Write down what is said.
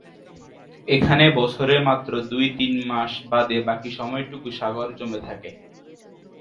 এখানে বছরে মাত্র দুই-তিন মাস বাদে বাকী সময়টুকু সাগর জমে থাকে।